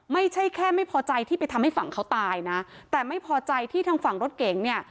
ไม่ใช่แค่ไม่พอใจที่ไปทำให้ฝั่งเขาตายนะแต่ไม่พอใจที่ทางฝั่งรถเก๋งเนี่ย